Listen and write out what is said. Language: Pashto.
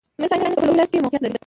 مس عینک په لوګر ولایت کې موقعیت لري